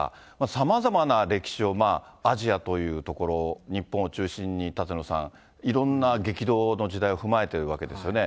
さまざまな歴史をアジアというところ、日本を中心に、舘野さん、いろんな激動の時代を踏まえているわけですよね。